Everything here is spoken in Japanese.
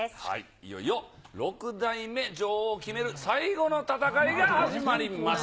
いよいよ６代目女王を決める、最後の戦いが始まります。